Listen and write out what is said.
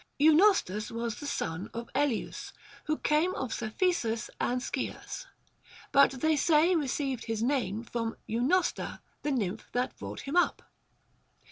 Eunostus was the son of Elieus who came of Cephisus and Scias, but they say received his name from Eunosta, the nymph that brought him up.